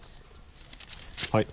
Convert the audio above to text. はい。